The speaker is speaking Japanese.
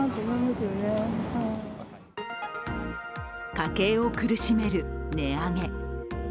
家計を苦しめる値上げ。